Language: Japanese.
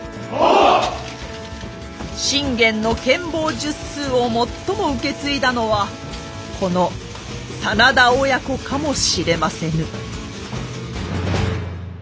信玄の権謀術数を最も受け継いだのはこの真田親子かもしれませぬ。